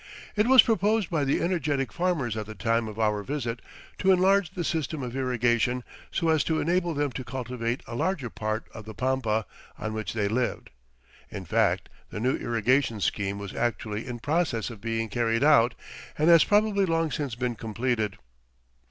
It was proposed by the energetic farmers at the time of our visit to enlarge the system of irrigation so as to enable them to cultivate a larger part of the pampa on which they lived. In fact, the new irrigation scheme was actually in process of being carried out and has probably long since been completed.